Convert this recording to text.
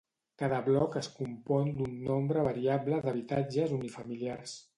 Cada bloc es compon d'un nombre variable d'habitatges unifamiliars.